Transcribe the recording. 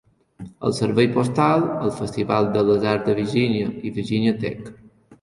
El servei postal, el festival de les arts de Virgínia i Virginia Tech.